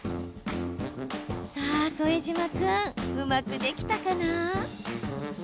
さあ副島君、うまくできたかな？